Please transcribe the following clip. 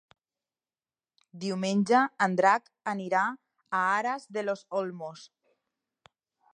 Diumenge en Drac anirà a Aras de los Olmos.